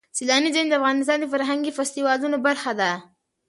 سیلانی ځایونه د افغانستان د فرهنګي فستیوالونو برخه ده.